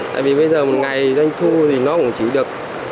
tại vì bây giờ một ngày doanh thu thì nó cũng chỉ được